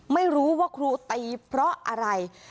ไม่รู้ว่าครูตีเพราะอะไร